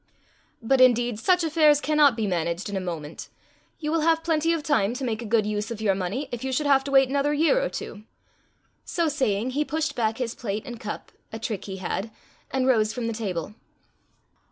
"But indeed such affairs cannot be managed in a moment. You will have plenty of time to make a good use of your money, if you should have to wait another year or two." So saying he pushed back his plate and cup, a trick he had, and rose from the table.